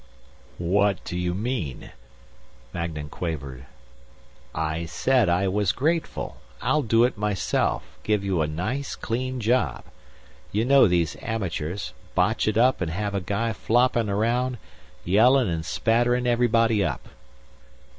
"What do you mean?" Magnan quavered. "I said I was grateful. I'll do it myself, give you a nice clean job. You know these amateurs; botch it up and have a guy floppin' around, yellin' and spatterin' everybody up."